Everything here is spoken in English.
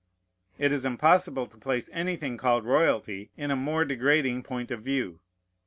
It is impossible to place anything called royalty in a more degrading point of view.